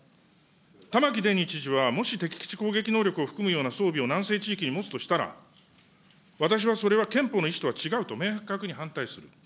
玉城デニー知事は、もし敵基地攻撃能力を含むような装備を南西地域に持つとしたら、私はそれは憲法のいしとは違うと明確に反対する。